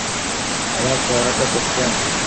আমার চেহারাটা দেখেছেন?